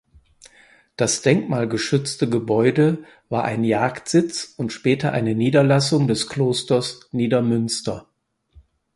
Das denkmalgeschützte Gebäude war ein Jagdsitz und später eine Niederlassung des Klosters Niedermünster.